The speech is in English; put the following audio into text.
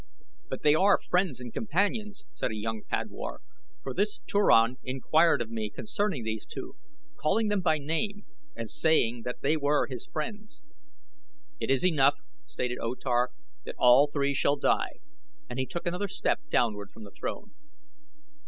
"But they are friends and companions," said a young padwar, "for this Turan inquired of me concerning these two, calling them by name and saying that they were his friends." "It is enough," stated O Tar, "all three shall die," and he took another step downward from the throne.